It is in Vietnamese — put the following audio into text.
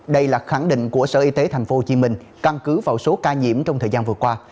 đây là khẳng định của sở y tế tp hcm căn cứ vào số ca nhiễm trong thời gian vừa qua